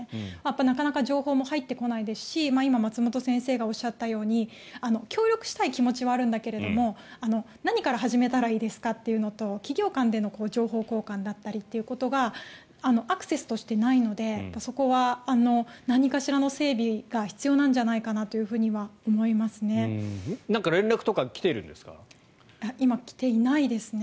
なかなか情報も入ってこないですし今、松本先生がおっしゃったように協力したい気持ちはあるんだけれども何から始めたらいいですかっていうのと企業間での情報交換だったりということがアクセスとしてないのでそこは何かしらの整備が必要なんじゃないかなとは思いますね。